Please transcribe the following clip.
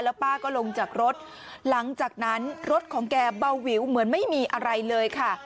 ป้าก็ลงจากรถหลังจากนั้นรถของแกเบาวิวเหมือนไม่มีอะไรเลยค่ะ